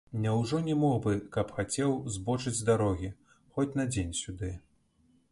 Няўжо не мог бы, каб хацеў, збочыць з дарогі, хоць на дзень сюды?